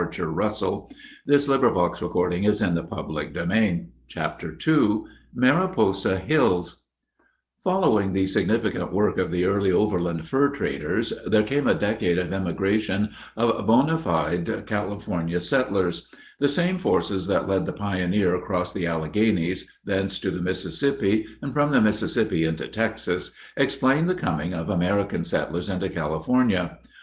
[Illustration: By Schwartz Mariposa in the 'Fifties] CHAPTER II MARIPOSA HILLS Following the significant work of the early overland fur traders there came a decade of immigration of bona fide California settlers. The same forces that led the pioneer across the Alleghenies, thence to the Mississippi, and from the Mississippi into Texas, explain the coming of American settlers into California.